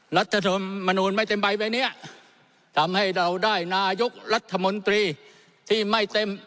รัฐธรรมนูลไม่เต็มใบใบเนี้ยทำให้เราได้นายกรัฐมนตรีที่ไม่เต็ม